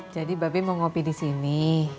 jadi babi mau ngopi di sini